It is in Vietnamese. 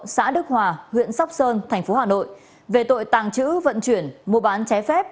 xã đức hòa huyện sóc sơn thành phố hà nội về tội tàng trữ vận chuyển mua bán trái phép